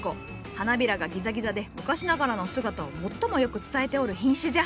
花びらがギザギザで昔ながらの姿を最もよく伝えておる品種じゃ。